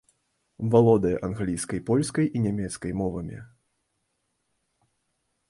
Валодае англійскай, польскай і нямецкай мовамі.